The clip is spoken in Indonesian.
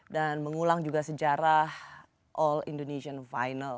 dan mengulang juga sejarah all indonesian final